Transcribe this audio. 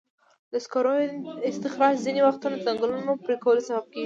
د سکرو استخراج ځینې وختونه د ځنګلونو پرېکولو سبب کېږي.